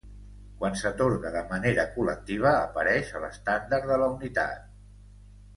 Quan s'atorga de manera col·lectiva, apareix a l'estendard de la unitat.